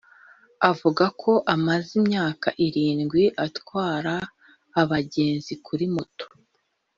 Avuga ko amaze imyaka irindwi atwara abagenzi kuri moto